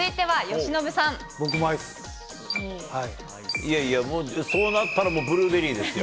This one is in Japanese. いやいや、こうなったらもうブルーベリーですよ。